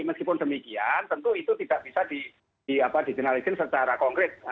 meskipun demikian tentu itu tidak bisa dijenalisir secara konkret